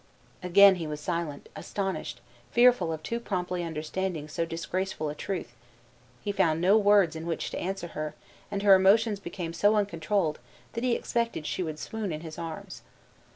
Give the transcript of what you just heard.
Again he was silent; astonished, fearful of too promptly understanding so disgraceful a truth, he found no words in which to answer her, and her emotions became so uncontrolled, that he expected she would swoon in his arms.